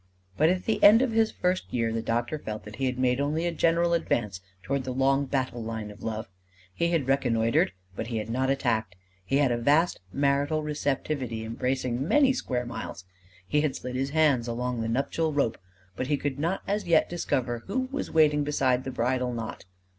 But at the end of his first year the doctor felt that he had made only a general advance toward the long battle line of Love; he had reconnoitred, but he had not attacked; he had a vast marital receptivity embracing many square miles. He had slid his hands along the nuptial rope, but he could not as yet discover who was waiting beside the bridal knot.